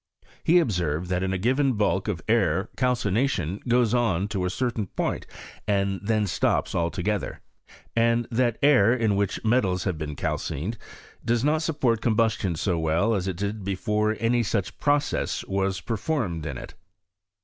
He observed a given bulk of air calcination goes on to a ■ :Aertain point and then stops altogether, and that air I ? CHEMISTUT. ^^^ in which metals have been calcined does not support combustion so well as it did before any such process was performed in it.